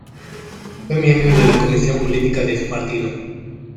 Fue miembro de la Comisión Política de su Partido.